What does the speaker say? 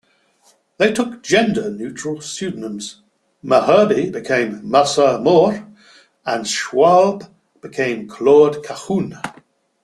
They took gender-neutral pseudonyms: Malherbe became Marcel Moore, and Schwob became Claude Cahun.